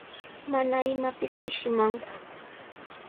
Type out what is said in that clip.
Mana imapis pishimanku.